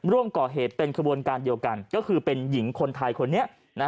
ร่วมก่อเหตุเป็นขบวนการเดียวกันก็คือเป็นหญิงคนไทยคนนี้